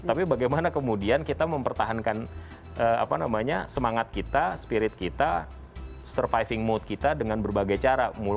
tapi bagaimana kemudian kita mempertahankan semangat kita spirit kita surviving mode kita dengan berbagai cara